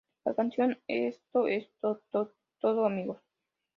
La canción "¡Esto es to-to-todo, amigos!